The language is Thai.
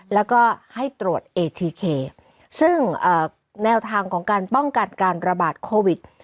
แล้วก็ให้ตรวจเอทีเคซึ่งแนวทางของการป้องกันการระบาดโควิด